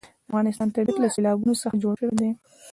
د افغانستان طبیعت له سیلابونه څخه جوړ شوی دی.